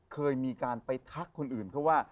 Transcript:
เคยมีการไปทักคนอื่นนะ